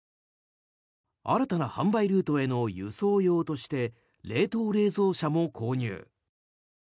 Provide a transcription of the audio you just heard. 新たな販売ルートへの輸送用として冷凍冷蔵車も購入。